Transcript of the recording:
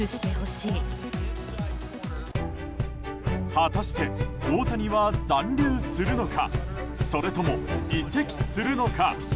果たして、大谷は残留するのかそれとも移籍するのか。